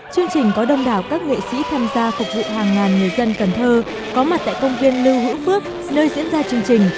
chương trình có đông đảo các nghệ sĩ tham gia phục vụ hàng ngàn người dân cần thơ có mặt tại công viên lưu hữu phước nơi diễn ra chương trình